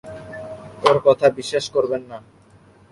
ওর কথা বিশ্বাস করবেন না।